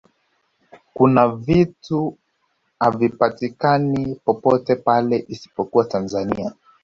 kuna vitu havipatikani popote pale isipokuwa tanzania